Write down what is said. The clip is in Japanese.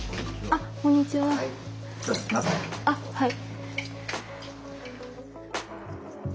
あっはい。